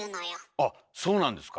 あっそうなんですか？